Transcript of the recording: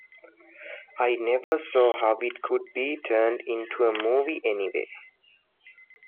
I never saw how it could be turned into a movie anyway.